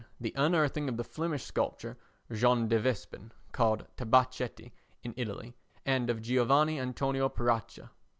The unearthing of the Flemish sculptor Jean de Wespin (called Tabachetti in Italy) and of Giovanni Antonio Paracca.